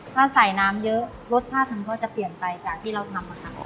ถ้าใส่น้ำเยอะรสชาติมันก็จะเปลี่ยนไปจากที่เราทำค่ะ